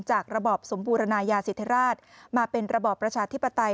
ระบอบสมบูรณายาสิทธิราชมาเป็นระบอบประชาธิปไตย